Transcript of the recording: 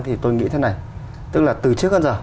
thì tôi nghĩ thế này tức là từ trước đến giờ